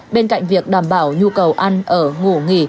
bên cạnh việc đảm bảo nhu cầu ăn ở ngủ nghỉ